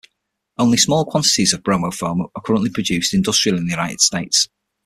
Only small quantities of bromoform are currently produced industrially in the United States.